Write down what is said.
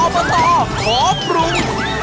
อบตขอปรุง